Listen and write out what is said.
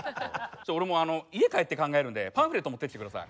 俺もう家帰って考えるんでパンフレット持ってきて下さい。